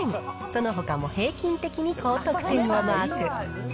そのほかも平均的に高得点をマーク。